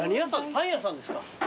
パン屋さんですか？